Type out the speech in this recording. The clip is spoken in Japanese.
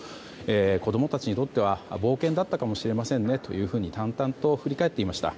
子供たちにとっては冒険だったかもしれませんねと淡々と振り返っていました。